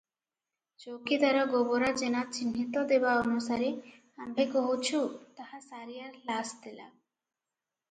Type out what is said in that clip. ଚୌକିଦାର ଗୋବରା ଜେନା ଚିହ୍ନିତ ଦେବା ଅନୁସାରେ ଆମ୍ଭେ କହୁଛୁ ତାହା ସାରିଆର ଲାସ୍ ଥିଲା ।